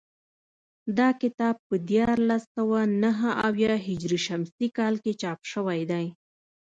دا کتاب په دیارلس سوه نهه اویا هجري شمسي کال کې چاپ شوی دی